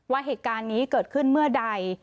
ว่าเหตุการณ์นี้เกิดขึ้นเมื่อใด